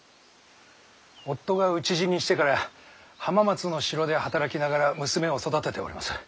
夫が討ち死にしてから浜松の城で働きながら娘を育てております。